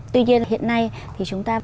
tuy nhiên hiện nay thì chúng ta